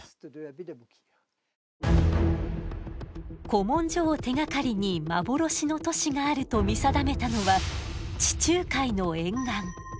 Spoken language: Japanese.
古文書を手がかりに幻の都市があると見定めたのは地中海の沿岸。